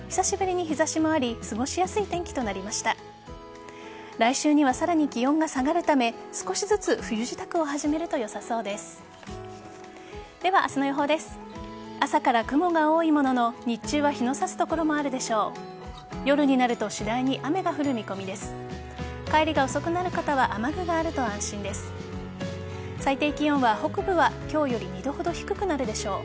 朝から雲が多いものの日中は日の差す所もあるでしょう。